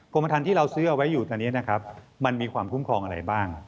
ประธานที่เราซื้อเอาไว้อยู่ตอนนี้นะครับมันมีความคุ้มครองอะไรบ้าง